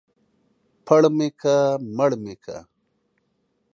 پړ مې که ، مړ مې که.